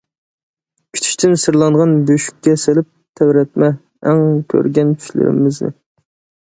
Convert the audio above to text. كۈتۈشتىن سىرلانغان بۆشۈككە سېلىپ، تەۋرەتمە تەڭ كۆرگەن چۈشلىرىمىزنى.